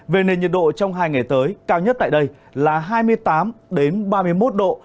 về nền nhiệt độ trong hai ngày tới cao nhất tại đây là hai mươi tám ba mươi một độ